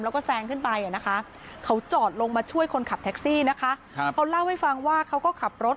แล้วก็แซงขึ้นไปนะคะเขาจอดลงมาช่วยคนขับแท็กซี่นะคะเขาเล่าให้ฟังว่าเขาก็ขับรถ